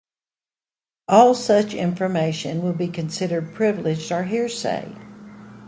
All such information would be considered privileged or hearsay.